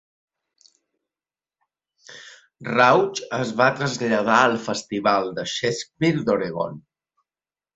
Rauch es va traslladar al Festival de Shakespeare d'Oregon.